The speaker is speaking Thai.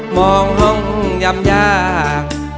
มองห้องยำยาก